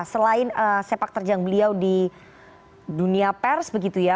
selain sepak terjang beliau di dunia pers begitu ya